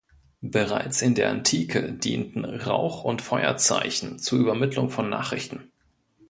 Bereits in der Antike dienten Rauch- und Feuerzeichen zur Übermittlung von Nachrichten.